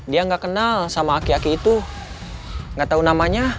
dia gak kenal sama aki aki itu gak tau namanya